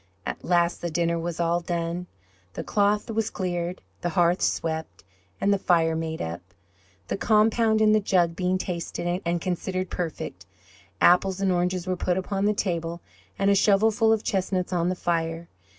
At last the dinner was all done, the cloth was cleared, the hearth swept, and the fire made up. The compound in the jug being tasted, and considered perfect, tipples and oranges were put upon the table, and a shovelful of chestnuts on the fire.